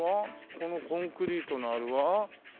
このコンクリートのあれは？